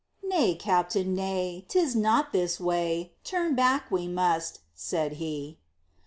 "Nay, Captain, nay; 'tis not this way; turn back we must," said he.